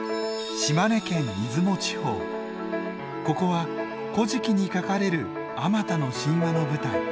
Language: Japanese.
ここは「古事記」に書かれるあまたの神話の舞台。